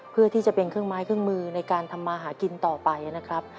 เพื่อที่จะเป็นเครื่องไม้เครื่องมือในการทำมาหากินต่อไปนะครับ